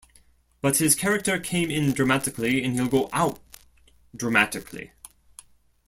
But his character came in dramatically and he'll go out dramatically.